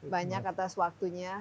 banyak atas waktunya